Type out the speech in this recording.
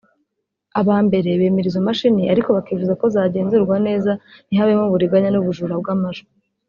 Aba mbere bemera izo mashini ariko bakifuza ko zagenzurwa neza ntihabemo uburiganya n’ubujura bw’amajwi